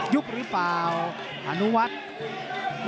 ยุบหรือเปล่าอนุวัฒน์